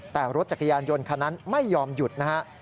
แต่รถจักรยานยนต์คันนั้นไม่ยอมหยุดนะฮะ